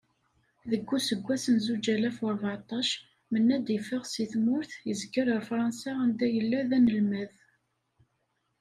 Deg useggas n zuǧ alaf u rbeɛṭac, Menad iffeɣ seg tmurt izger ar Fransa and yella d-analmad.